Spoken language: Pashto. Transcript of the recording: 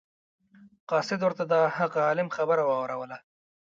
قاصد ورته د هغه عالم خبره واوروله.